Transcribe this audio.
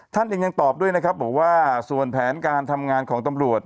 ท่านเองยังตอบด้วยนะครับบอกว่าส่วนแผนการทำงานของตำรวจ